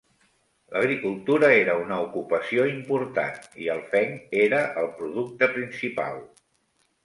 L'agricultura era una ocupació important, i el fenc era el producte principal.